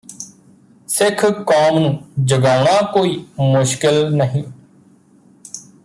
ਸਿੱਖ ਕੌੰਮ ਨੂੰ ਜਗਾਉਣਾ ਕੋਈ ਮੁਸ਼ਕਲ ਨਹੀਂ